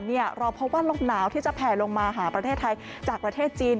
เราพบว่าลมหนาวที่จะแผลลงมาหาประเทศไทยจากประเทศจีน